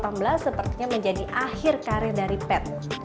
selain itu dua ribu delapan belas sepertinya menjadi akhir karir dari pad